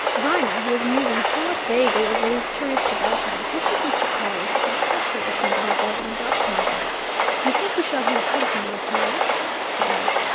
Viner, who was musing somewhat vaguely over these curious developments, looked at Mr. Pawle as if in speculation about his evident optimism. "You think we shall hear something worth hearing?" he asked.